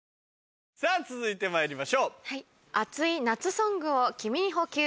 続いてまいりましょう。